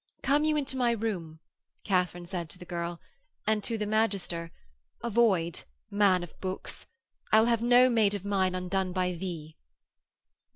'Come you into my room,' Katharine said to the girl; and to the magister, 'Avoid, man of books. I will have no maid of mine undone by thee.'